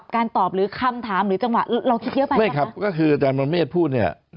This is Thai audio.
ก็คืออาจารย์ปรณเมฆพูดเนี่ย